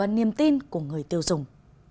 niềm tin của người tiêu dùng